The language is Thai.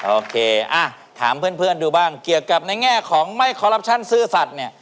โอเคอ่ะถามเพื่อนดูบ้างเกี่ยวกับในแง่ของไม่คอรัปชั่นซื่อสัตว์เนี่ย